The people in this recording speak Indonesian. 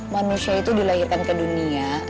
manusia itu dilahirkan ke dunia